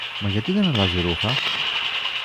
Μα γιατί δεν αλλάζει ρούχα;